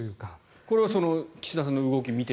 これは岸田さんの動きを見て？